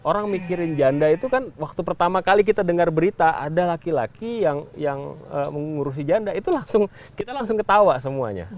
orang mikirin janda itu kan waktu pertama kali kita dengar berita ada laki laki yang mengurusi janda itu langsung kita langsung ketawa semuanya